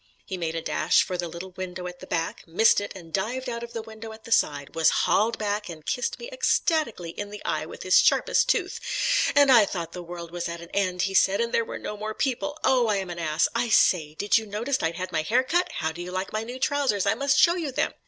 He made a dash for the little window at the back; missed it and dived out of the window at the side, was hauled back and kissed me ecstatically in the eye with his sharpest tooth.... "And I thought the world was at an end," he said, "and there were no more people. Oh, I am an ass. I say, did you notice I'd had my hair cut? How do you like my new trousers? I must show you them."